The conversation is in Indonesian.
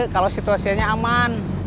kalau situasinya aman